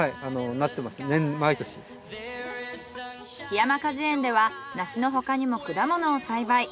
桧山果樹園では梨の他にもくだものを栽培。